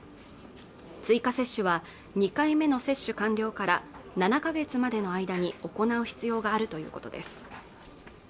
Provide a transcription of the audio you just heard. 追加接種は２回目の接種完了から７か月までの間に行う必要があるということです